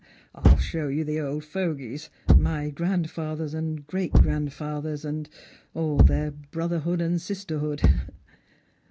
I'll show you the old fogies ; my grandfathers and greatgrandfathers, and all their brotherhood and sisterhood."